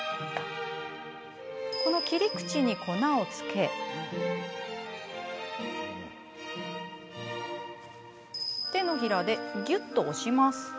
切り口に粉をつけ手のひらで、ぎゅっと押します。